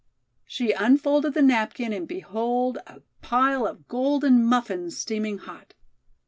She unfolded the napkin and behold a pile of golden muffins steaming hot.